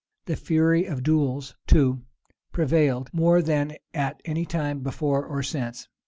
The fury of duels, too, prevailed more than at anytime before or since.